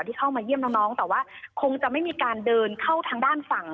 เข้ามาเยี่ยมน้องแต่ว่าคงจะไม่มีการเดินเข้าทางด้านฝั่ง